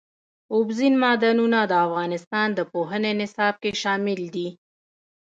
اوبزین معدنونه د افغانستان د پوهنې نصاب کې شامل دي.